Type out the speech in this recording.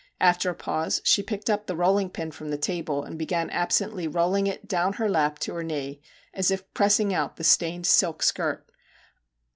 After a pause she picked up the rolling pin from the table and began absently rolling it down her lap to her knee, as if pressing out the stained silk skirt.